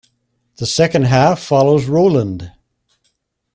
The second half follows Rowland.